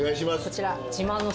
こちら。